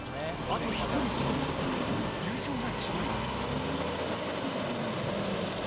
あと１人勝利すれば優勝が決まります。